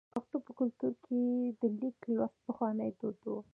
د پښتنو په کلتور کې د لیک لوستل پخوانی دود و.